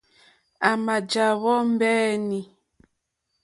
À mà jàwó mbéǃéní.